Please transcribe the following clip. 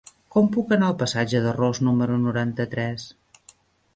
Com puc anar al passatge de Ros número noranta-tres?